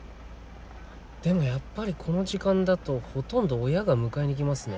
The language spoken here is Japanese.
でもやっぱりこの時間だとほとんど親が迎えに来ますね。